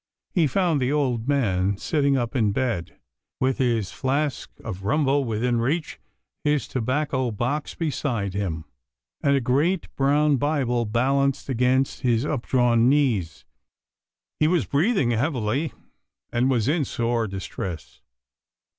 He found the old man sitting up in bed, with his flask of rumbo within reach, his tobacco box beside him, and a great brown Bible balanced against his updrawn knees. He was breathing heavily, and was in sore distress.